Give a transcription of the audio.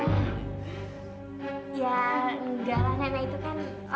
ya enggak lah neneknya itu kan